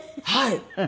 はい。